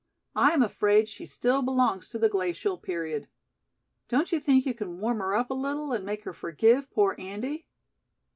"I am afraid she still belongs to the glacial period. Don't you think you can warm her up a little and make her forgive poor Andy?"